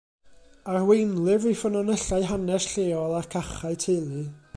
Arweinlyfr i ffynonellau hanes lleol ac achau teulu.